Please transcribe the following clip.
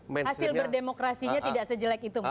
hasil berdemokrasinya tidak sejelek itu mungkin